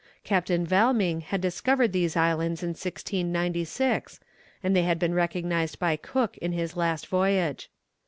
Captain Valming had discovered these islands in 1696, and they had been recognized by Cook in his last voyage.